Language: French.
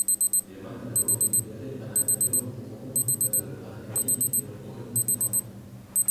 Les matériaux récupérés à l'intérieur remontent aux périodes archaïque et orientalisante.